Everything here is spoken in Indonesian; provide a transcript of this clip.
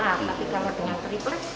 tapi kalau dengan triplek